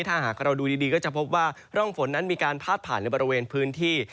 ถ้าหากเราดูดีก็จะพบว่าร่องฝนนั้นมีการพาดผ่านในบริเวณพื้นที่